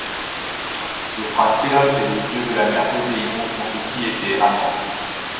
Le prince Pélops et le dieu de la mer Poséidon ont aussi été amants.